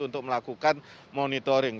untuk melakukan monitoring